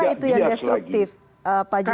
mana itu yang destruktif pak juniver